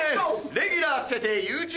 レギュラー捨ててＹｏｕＴｕｂｅｒ。